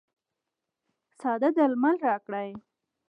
ساده درمل راکړئ.